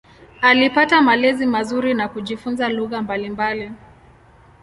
Alipata malezi mazuri na kujifunza lugha mbalimbali.